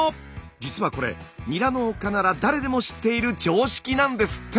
実はこれニラ農家なら誰でも知っている常識なんですって！